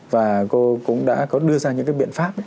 và cô cũng đã có đưa ra những cái biện pháp